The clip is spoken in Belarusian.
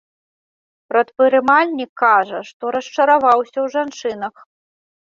Прадпрымальнік кажа, што расчараваўся ў жанчынах.